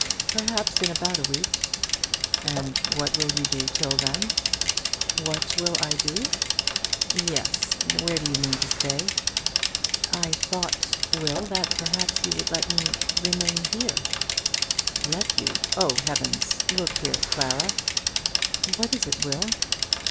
"Perhaps in about a week." "And what will you do till then?" "What will I do!" "Yes; where do you mean to stay?" "I thought, Will, that perhaps you would let me remain here." "Let you! Oh, heavens! Look here, Clara." "What is it, Will?"